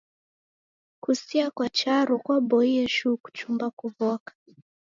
Kusia kwa charo kwaboie shuu kuchumba kuw'oka.